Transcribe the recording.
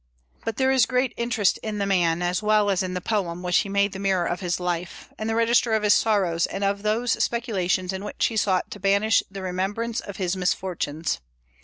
But there is great interest in the man, as well as in the poem which he made the mirror of his life, and the register of his sorrows and of those speculations in which he sought to banish the remembrance of his misfortunes.